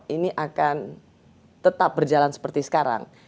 ini akan tetap berjalan seperti sekarang